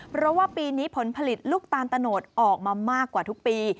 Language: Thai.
เพราะว่าปีนี้ผลผลิตลูกตาลตะโนดออกมามากกว่าทุกปี